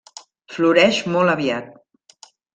Floreix molt aviat.